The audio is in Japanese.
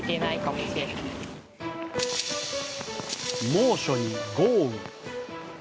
猛暑に豪雨。